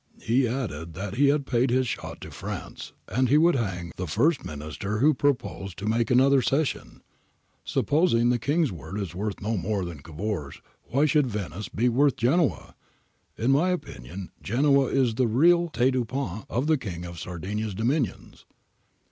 He added that he had paid his shot to France and he would hang ihe first Minister who proposed to make another cession. Supposing the King's word is worth no more than Cavour's, why should Venice be worth Genoa? In my opinion Genoa is the real tete de pont of the King of Sardinia's Dominions.